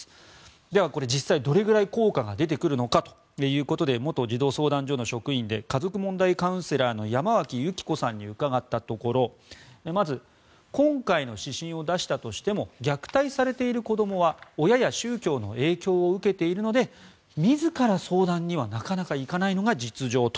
では、これ実際どれぐらい効果が出てくるのかということで元児童相談所の職員で家族問題カウンセラーの山脇由貴子さんに伺ったところまず今回の指針を出したとしても虐待されている子どもは親や宗教の影響を受けているので自ら相談にはなかなか行かないのが実情と。